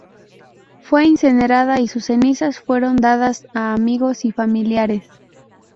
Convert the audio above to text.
Fue incinerada y sus cenizas fueron dadas a amigos y familiares.